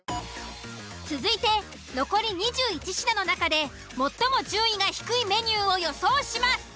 続いて残り２１品の中で最も順位が低いメニューを予想します。